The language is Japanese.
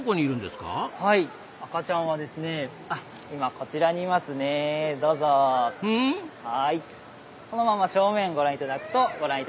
このまま正面ご覧いただくとご覧いただけます。